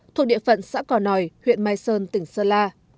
thuộc địa phận xã cỏ nòi huyện mai sơn tỉnh sơ la